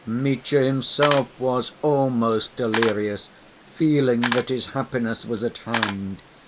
Mitya himself was almost delirious, feeling that his happiness was at hand.